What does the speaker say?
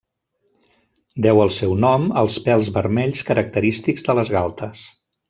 Deu el seu nom als pèls vermells característics de les galtes.